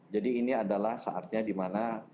jadi ini adalah saatnya dimana